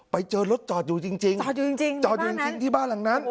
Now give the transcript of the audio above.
ไปเจอรถจอดอยู่จริงจอดอยู่จริงจอดอยู่จริงที่บ้านหลังนั้น